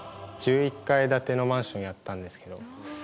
１１階建てのマンションやったんですけど。